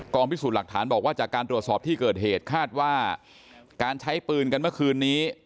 พิสูจน์หลักฐานบอกว่าจากการตรวจสอบที่เกิดเหตุคาดว่าการใช้ปืนกันเมื่อคืนนี้